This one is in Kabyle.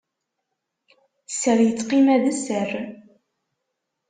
Sser yettqima d sser.